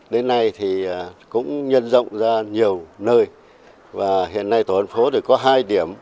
đến nay thì cũng nhân rộng ra nhiều nơi và hiện nay tổ an phố có hai điểm